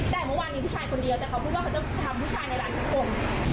แต่เมื่อวานมีผู้ชายคนเดียวแต่เขาพูดว่าเขาจะทำผู้ชายในร้านทุกคน